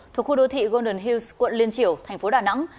thuộc khu đô thị golden hills quận liên triều thành phố đà nẵng